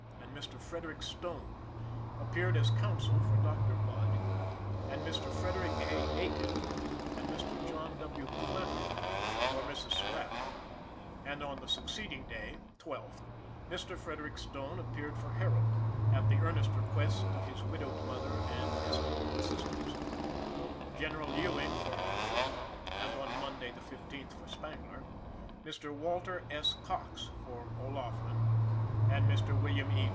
and Mr. Frederick Stone appeared as counsel for Dr. Mudd, and Mr. Frederick A. Aiken and Mr. John W. Clampitt for Mrs. Surratt; and on the succeeding day (12th), Mr. Frederick Stone appeared for Herold "at the earnest request of his widowed mother and estimable sisters;" General Ewing for Arnold (and on Monday, the 15th, for Spangler); Mr. Walter S. Cox for O'Laughlin, and Mr. William E.